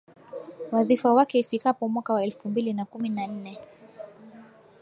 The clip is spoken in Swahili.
wadhifa wake ifikapo mwaka wa elfu mbili na kumi na nne